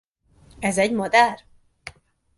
Ez egy madár?